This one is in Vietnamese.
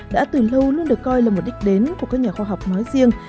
đã từ lâu luôn được coi là mục đích đến của các nhà khoa học nói riêng